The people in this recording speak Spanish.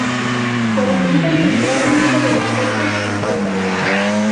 Se alimentan principalmente de insectos y frutas.